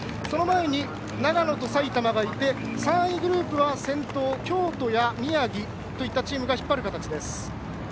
その前に、長野と埼玉がいて３位グループは先頭京都や宮城といったチームが引っ張る形です。